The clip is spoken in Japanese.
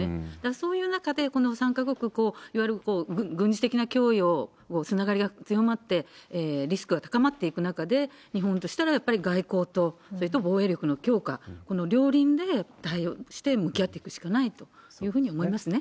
そういう中で、この３か国、いわゆる軍事的な供与、つながりが強まって、リスクが高まっていく中で、日本としての外交と、それと防衛力の強化、この両輪で対応して向き合っていくしかないというふうに思いますね。